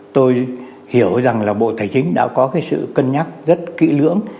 tôi hiểu rằng là bộ tài chính đã có cái sự cân nhắc rất kỹ lưỡng